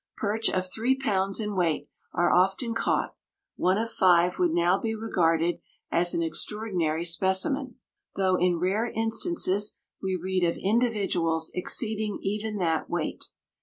Perch of three pounds in weight are often caught; one of five would now be regarded as an extraordinary specimen, though in rare instances we read of individuals exceeding even that weight.